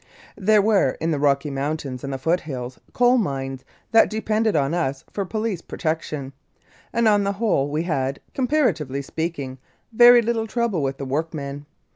There were in the Rocky Mountains and the foot hills coal mines that depended on us for police protection, and on the whole we had, comparatively speaking, very little trouble with the workmen.